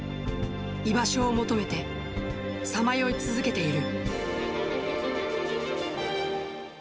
居場所を求めて、さまよい続けている。